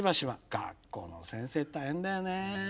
学校の先生大変だよね。